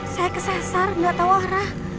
saya kesesar gak tau arah